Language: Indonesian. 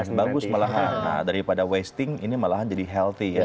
ya bagus malahan nah daripada wasting ini malahan jadi healthy ya